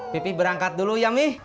pipi berangkat dulu ya mi